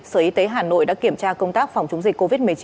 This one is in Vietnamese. sở y tế hà nội đã kiểm tra công tác phòng chống dịch covid một mươi chín